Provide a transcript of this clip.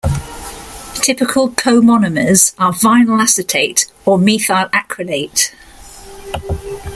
Typical comonomers are vinyl acetate or methyl acrylate.